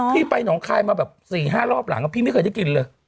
พี่ไปหนองคายมาแบบ๔๕รอบหลังพี่ไม่เคยได้กินเลย